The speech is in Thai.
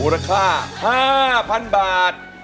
มูลค่า๕๐๐๐บาท